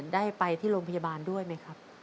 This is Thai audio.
ได้ไปที่โรงพยาบาลด้วยไหมครับ